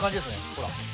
ほら。